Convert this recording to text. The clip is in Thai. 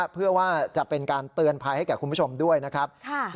เพื่อว่าจะเป็นการเตือนภัยให้แก่คุณผู้ชมด้วยนะครับ